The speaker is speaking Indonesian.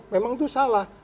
memang itu salah